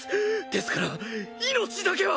ですから命だけは！